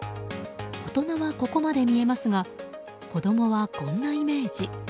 大人はここまで見えますが子供はこんなイメージ。